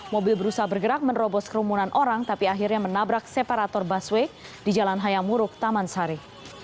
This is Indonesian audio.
mobil berusaha bergerak menerobos kerumunan orang tapi akhirnya menabrak separator busway di jalan hayamuruk taman sari